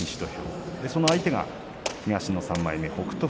その相手が東の３枚目北勝